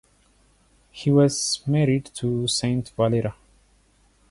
He was married to Saint Valeria.